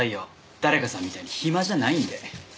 誰かさんみたいに暇じゃないんで。